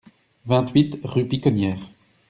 vingt-huit rue Piconnières